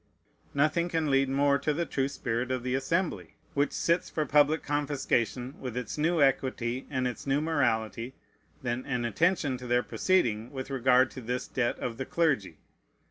Nothing can lead more to the true spirit of the Assembly, which sits for public confiscation with its new equity and its new morality, than an attention to their proceeding with regard to this debt of the clergy.